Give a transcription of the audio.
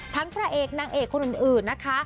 พระเอกนางเอกคนอื่นนะคะ